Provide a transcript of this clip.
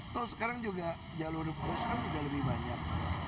terus sekarang juga jalur pos kan juga lebih banyak